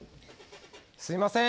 すいません。